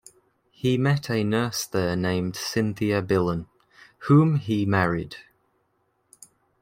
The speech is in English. He met a nurse there named Cynthia Billen, whom he married.